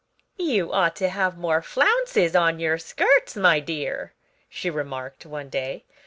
"You ought to have more flounces on your skirts, my dear," she remarked one day.